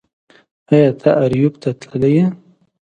ایا ته اریوب ته تللی یې